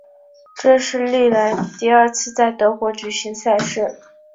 这是历来第二次在德国举行赛事。